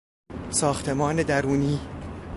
ساختمان درونی